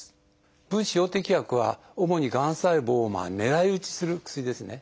分子標的薬は主にがん細胞を狙い撃ちする薬ですね。